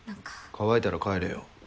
乾いたら帰れよ。